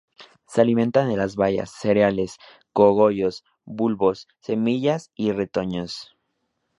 Se alimentan de las bayas, cereales, cogollos, bulbos, semillas y retoños.